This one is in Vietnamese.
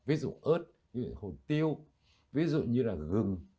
ví dụ ớt ví dụ hồn tiêu ví dụ như là gừng